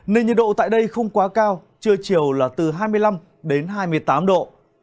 nền nhiệt độ tại đây không quá cao trưa chiều là từ hai mươi năm hai mươi tám độ